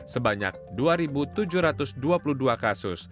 sebanyak dua tujuh ratus dua puluh dua kasus